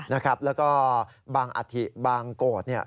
นะครับแล้วก็บางอัธิบางโกดเนี่ย